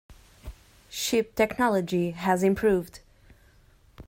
Ship technology has improved.